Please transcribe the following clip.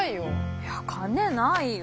いや金ないわ。